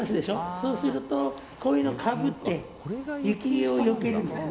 そうすると、こういうのを履いて雪をよけるんですね。